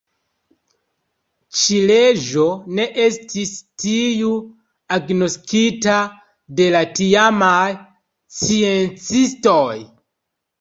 Ĉi-leĝo ne estis tuj agnoskita de la tiamaj sciencistoj.